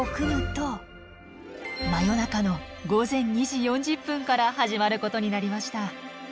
真夜中の午前２時４０分から始まることになりました。